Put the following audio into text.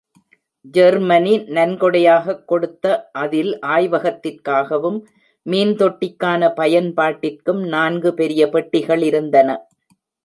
Germany நன்கொடையாகக் கொடுத்த அதில் ஆய்வகத்திற்காகவும் மீன்தொட்டிக்கான பயன்பாட்டிற்கும் நான்கு பெரிய பெட்டிகள் இருந்தன.